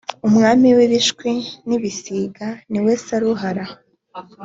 umwami w’ibishwi n’ibisiga niwe saruhara.